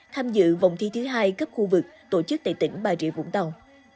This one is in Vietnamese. tham dự vòng thi thứ hai cấp khu vực tổ chức tại tỉnh bà rịa vũng tàu